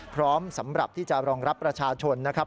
พร้อมสำหรับที่จะรองรับประชาชนนะครับ